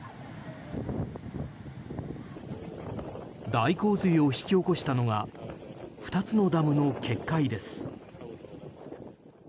大洪水を引き起こしたのが２つのダムの決壊です。